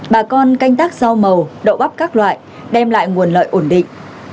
bà con canh tác rau màu đậu bắp các loại đem lại nguồn lợi ổn định